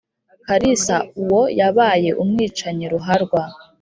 Kalisa uwo yabaye umwicanyi ruharwa